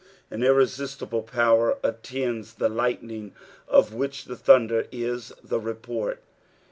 An irreaiBtible power attends the lightning of which tbe thunder is the report.